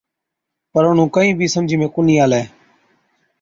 پَر اونهُون ڪهِين بِي سمجھِي ۾ ڪونهِي آلَي۔